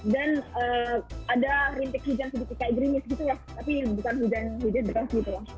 dan ada rintik hujan sedikit kayak grimis gitu ya tapi bukan hujan hujan beras gitu